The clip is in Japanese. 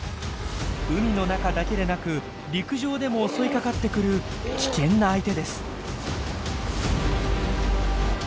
海の中だけでなく陸上でも襲いかかってくる危険な相手です。